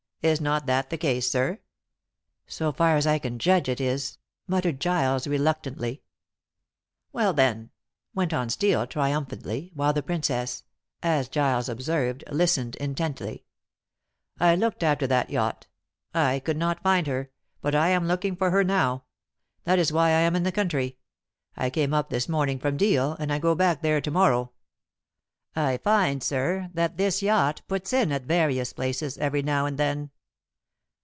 Is not that the case, sir?" "So far as I can judge, it is," muttered Giles reluctantly. "Well, then," went on Steel triumphantly, while the Princess as Giles observed listened intently, "I looked after that yacht. I could not find her, but I am looking for her now. That is why I am in the country. I came up this morning from Deal, and I go back there to morrow. I find, sir, that this yacht puts in at various places every now and then."